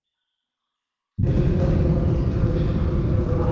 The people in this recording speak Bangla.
সেই সইশিকারিই কিনা গুচকে সরিয়ে টেস্টে ইংল্যান্ডের সবচেয়ে বেশি রানের মালিক এখন।